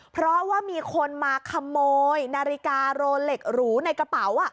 เพราะว่ามีคนมาขโมยนาฬิกาโรเล็กหรูในกระเป๋า